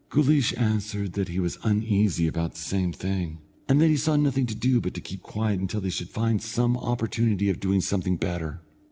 Guleesh answered that he was uneasy about the same thing, and that he saw nothing to do but to keep quiet until they should find some opportunity of doing something better.